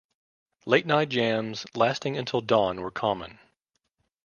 Late-night jams lasting until dawn were common.